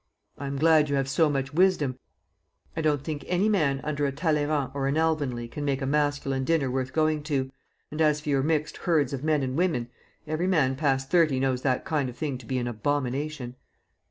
"I am glad you have so much wisdom. I don't think any man under a Talleyrand or an Alvanley can make a masculine dinner worth going to; and as for your mixed herds of men and women, every man past thirty knows that kind of thing to be an abomination."